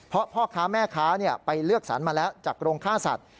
เพราะพ่อค้าแม่ค้าไปเลือกสรรมาแล้วจากโรงฆ่าสัตว